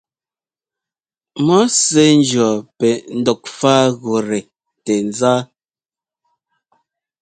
Mɔ̌ sɛ́ njíɔ pɛ ndɔkfágutɛ tɛ̌zá.